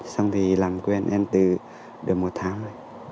xong thì làm quen em từ được một tháng rồi